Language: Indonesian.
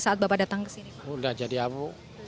sudah jadi abu